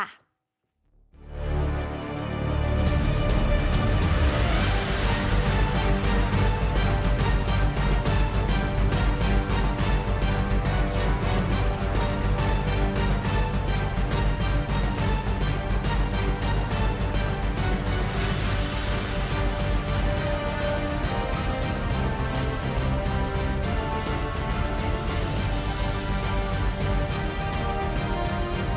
ไว้